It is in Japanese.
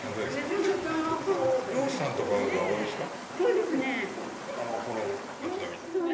漁師さんとかが多いんですか。